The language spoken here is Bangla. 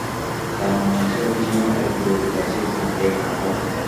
তার মা ছিল পিসিমার এক যুবতী দাসী, জাতিতে কাহার।